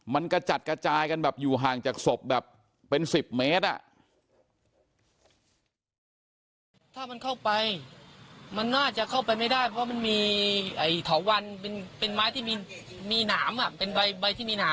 มันกระจัดกระจายกันแบบอยู่ห่างจากศพแบบเป็น๑๐เมตร